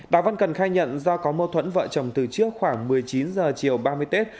đào văn cần khai nhận do có mâu thuẫn vợ chồng từ trước khoảng một mươi chín h chiều ba mươi tết